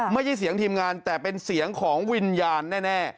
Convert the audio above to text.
ไม่ใช่เสียงทีมงานแต่เป็นเสียงของวิญญาณแน่